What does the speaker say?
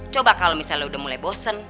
coba kalo misalnya lu udah mulai bosen